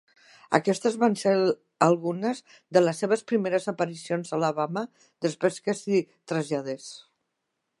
Aquestes van ser algunes de les seves primeres aparicions a Alabama després que s'hi traslladés.